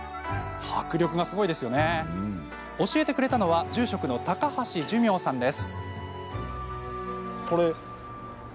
教えてくれたのは住職の高橋寿明さんです。